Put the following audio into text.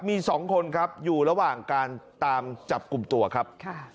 มี๒คนครับอยู่ระหว่างการตามจับกลุ่มตัวครับ